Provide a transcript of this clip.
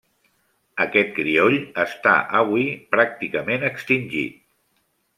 Aquest crioll està avui pràcticament extingit.